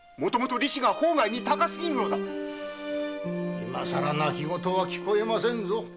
今更泣き言は聞こえませぬぞ。